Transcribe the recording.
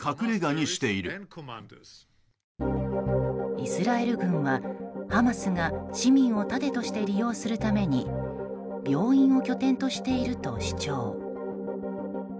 イスラエル軍は、ハマスが市民を盾として利用するために病院を拠点としていると主張。